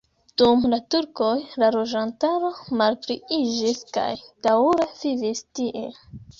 Dum la turkoj la loĝantaro malpliiĝis kaj daŭre vivis tie.